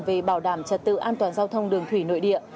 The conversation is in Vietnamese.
về bảo đảm trật tự an toàn giao thông đường thủy nội địa